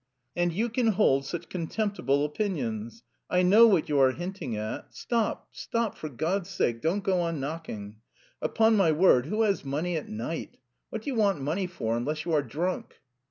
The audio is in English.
"And you can hold such contemptible opinions! I know what you are hinting at.... Stop, stop, for God's sake don't go on knocking! Upon my word, who has money at night? What do you want money for, unless you are drunk?"